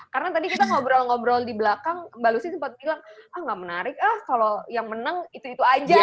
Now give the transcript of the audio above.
karena tadi kita ngobrol ngobrol di belakang mbak lucy sempat bilang ah gak menarik ah kalau yang menang itu itu aja gitu